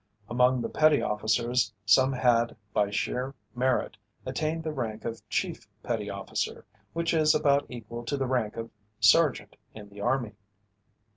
Among the petty officers some had by sheer merit attained the rank of chief petty officer, which is about equal to the rank of sergeant in the army.